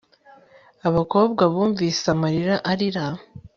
Abakobwa bumvise amarira arira